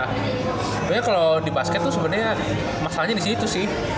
sebenernya kalau di basket tuh sebenernya masalahnya disitu sih